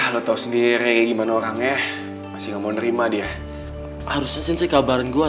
lo tau sendiri gimana orangnya masih mau nerima dia harusnya sensei kabarin gue